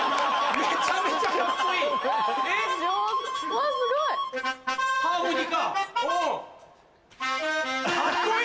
めちゃめちゃカッコいい！